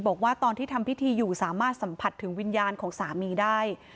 บอกว่าตอนที่ทำพิธีอยู่สามารถสัมผัสถึงวิญญาณของสามีได้